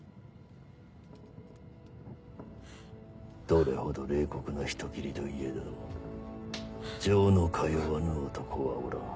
どれほど冷酷な人斬りといえど情の通わぬ男はおらん。